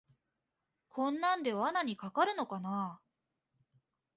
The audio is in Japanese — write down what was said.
こんなんで罠にかかるのかなあ